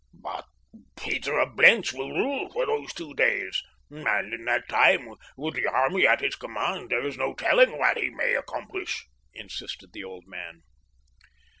"But Peter of Blentz will rule for these two days, and in that time with the army at his command there is no telling what he may accomplish," insisted the old man.